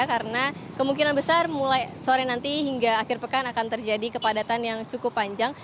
karena kemungkinan besar mulai sore nanti hingga akhir pekan akan terjadi kepadatan yang cukup panjang